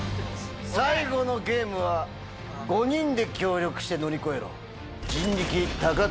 最後のゲームは、５人で協力して乗り越えろ。